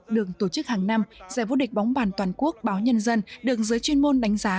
đường tổ chức hàng năm giải vô địch bóng bàn toàn quốc báo nhân dân được giới chuyên môn đánh giá